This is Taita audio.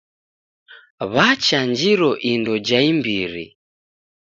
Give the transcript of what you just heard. W'achanjiro indo ja imbiri.